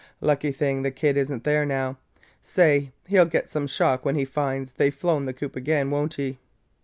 Lucky thing the kid is n't there now! Say, he 'll get some shock when he finds they 've flew the coop again, won't he?